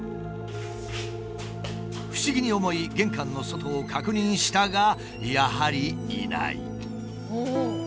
不思議に思い玄関の外を確認したがやはりいない。